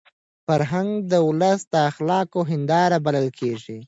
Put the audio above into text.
فرهنګ د ولس د اخلاقو هنداره بلل کېږي.